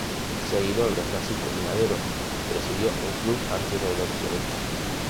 Seguidor de Francisco I. Madero, presidió un club antirreeleccionista.